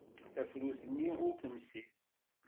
Tafrut-nni ur temsid.